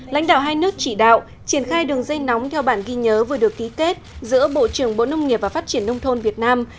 lãnh đạo hai nước chỉ đạo triển khai đường dây nóng theo bản ghi nhớ vừa được ký kết giữa bộ trưởng bộ nông nghiệp và phát triển nông thôn việt nam